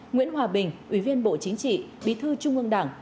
nguyễn hòa bình ủy viên bộ chính trị bí thư trung ương đảng